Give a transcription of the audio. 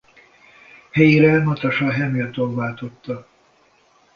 Helyére Natasha Hamilton váltotta.